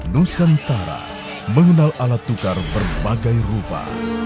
nusantara mengenal alat tukar berbagai rupa